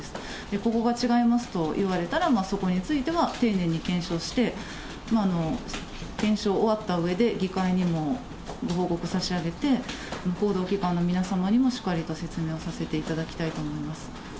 ここが違いますと言われたらそこについては丁寧に検証して、検証が終わったうえで、議会にもご報告差し上げて、報道機関の皆様にもしっかりと説明をさせていただきたいと思います。